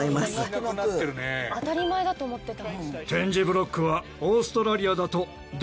当たり前だと思ってた。